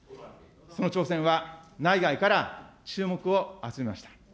その挑戦は内外から注目を集めました。